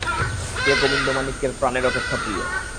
কে গোবিন্দমাণিক্যের প্রাণের অপেক্ষা প্রিয়?